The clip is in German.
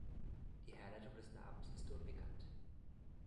Die Herleitung des Namens ist unbekannt.